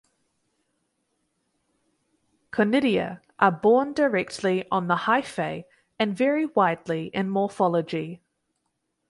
Conidia are borne directly on the hyphae and vary widely in morphology.